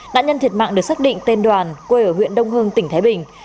nạn nhân thiệt mạng được xác định tên đoàn quê ở huyện đông hưng tỉnh thái bình